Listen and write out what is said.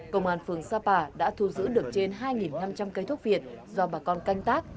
công an phường sapa đã thu giữ được trên hai năm trăm linh cây thuốc việt do bà con canh tác